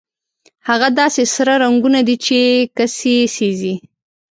هغه داسې سره رنګونه دي چې کسي سېزي.